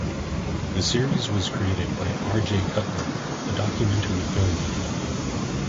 The series was created by R. J. Cutler, a documentary filmmaker.